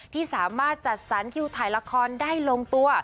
ที่สามารถจัดสรรคิวถ่ายละครได้ลงตัว